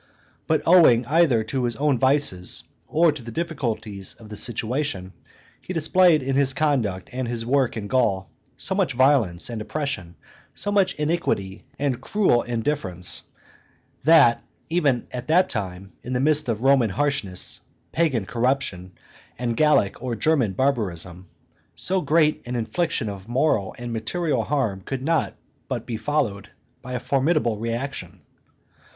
But owing either to his own vices or to the difficulties of the situation, he displayed in his conduct and his work in Gaul so much violence and oppression, so much iniquity and cruel indifference, that, even at that time, in the midst of Roman harshness, pagan corruption, and Gallic or German barbarism, so great an infliction of moral and material harm could not but be followed by a formidable reaction.